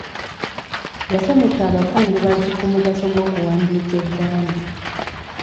Yasomesa abakungubazi ku mugaso gw'okuwandiika eddaame.